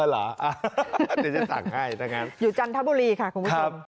เออเหรอจะสั่งให้อยู่จันทบุรีค่ะคุณผู้ชม